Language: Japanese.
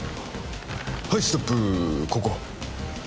はいストップここ